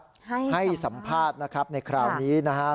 ให้สัมภาษณ์ให้สัมภาษณ์นะครับในคราวนี้นะฮะ